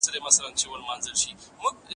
که ژړل دي په سرو سترګو